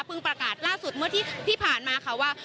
ประกาศล่าสุดเมื่อที่ผ่านมาค่ะว่า